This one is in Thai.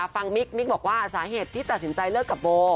มิกมิ๊กบอกว่าสาเหตุที่ตัดสินใจเลิกกับโบ